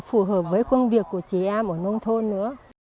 phù hợp với công việc của chị em ở nông thôn nữa